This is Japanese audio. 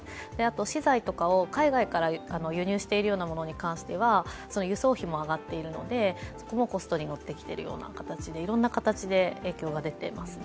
資材とかを海外から輸入しているものに関しては、輸送費も上がっているのでそこもコストにのってきている形でいろんな形で影響が出ていますね。